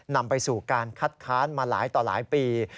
นำไปสู่การคัดค้านมาหลายต่อหลายปี